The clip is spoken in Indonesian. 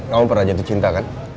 kamu pernah jatuh cinta kan